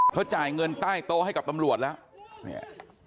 เขาจ่ายเงินใต้โตให้กับตำรวจแล้ว